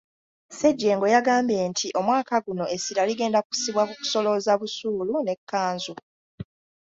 Ssejjengo yagambye nti omwaka guno essira ligenda kussibwa ku kusolooza busuulu n’ekkanzu.